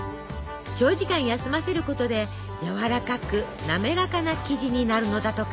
長時間休ませることでやわらかくなめらかな生地になるのだとか。